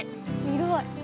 広い！